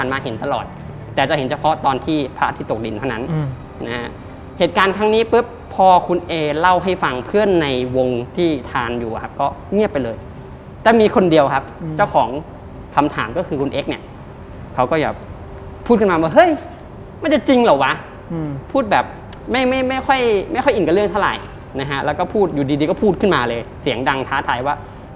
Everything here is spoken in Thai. อืมนะฮะเหตุการณ์ทั้งนี้ปุ๊บพอคุณเอเล่าให้ฟังเพื่อนในวงที่ทานอยู่อะครับก็เงียบไปเลยแต่มีคนเดียวครับอืมเจ้าของคำถามก็คือคุณเอ็กซเนี้ยเขาก็อยากพูดขึ้นมาว่าเฮ้ยมันจะจริงเหรอวะอืมพูดแบบไม่ไม่ไม่ค่อยไม่ค่อยอินกับเรื่องเท่าไหร่นะฮะแล้วก็พูดอยู่ดีดีก็พูดขึ้นมาเลยเสียงดังท้าทายว